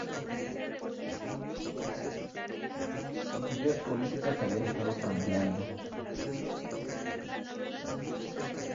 Sus ideas políticas habían estado cambiando.